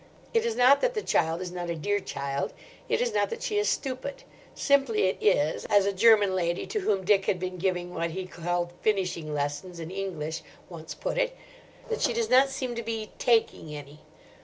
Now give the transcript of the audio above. It is not that the child is not a dear child, it is not that she is stupid. Simply it is—as a German lady to whom Dick had been giving what he called finishing lessons in English, once put it—that she does not seem to be "taking any."